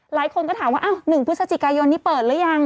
หลายคนก็ถามว่า๑พฤศจิกายนนี้เปิดหรือยัง